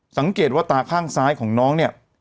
สังเกตว่าตาข้างซ้ายของน้องเนี่ย